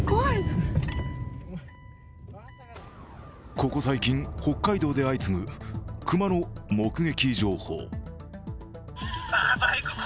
ここ最近、北海道で相次ぐ熊の目撃情報。